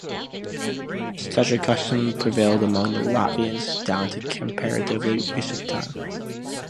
Such a custom prevailed among the Latvians down to comparatively recent time.